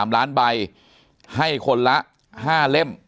๓ล้านใบให้คนละ๕เล่ม